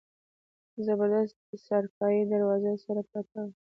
د زبردست څارپايي د دروازې سره پرته وه.